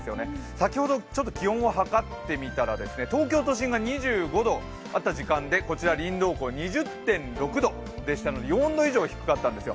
先ほど気温をはかってみたら東京都心が２５度あった時間でこちらりんどう湖２０．６度ということで４度以上低かったんですよ。